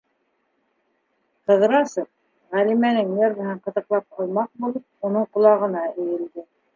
Ҡыҙрасов, Ғәлимәнең нервыһын ҡытыҡлап алмаҡ булып, уның ҡолағына эйелде: